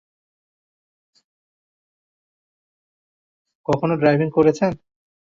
কখনো ডাইভিং করেছেন?